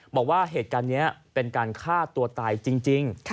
บอกว่าเหตุการณ์นี้เป็นการฆ่าตัวตายจริง